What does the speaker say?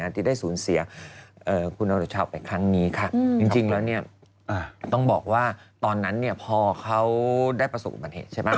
ที่ได้สูญเสียคุณอรุชาวไปครั้งนี้ค่ะจริงแล้วต้องบอกว่าตอนนั้นพอเขาได้ประสบอุบัติเหตุใช่ไหม